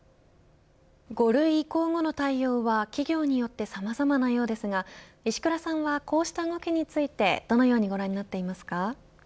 ５類移行後の対応は企業によってさまざまなようですが石倉さんはこうした動きについてどのようにご覧になっていますか。